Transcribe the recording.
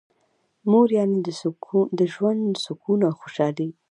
مور یعنی د ژوند سکون او خوشحالي.